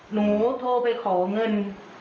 หนูโทรไปขอเงิน